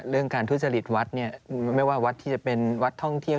เรื่องการทุจริตวัดเนี่ยไม่ว่าวัดที่จะเป็นวัดท่องเที่ยว